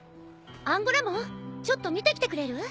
アンゴラモンちょっと見てきてくれる？